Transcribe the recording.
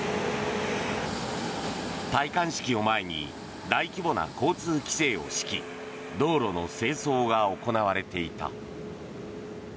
戴冠式を前に大規模な交通規制を敷き道路の清掃が行われていた。